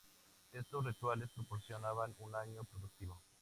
Estos "rituales" proporcionaban un año productivo.